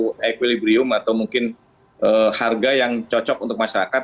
untuk equilibrium atau mungkin harga yang cocok untuk masyarakat